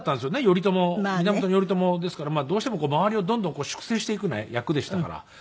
頼朝源頼朝ですからまあどうしても周りをどんどん粛清していくような役でしたから。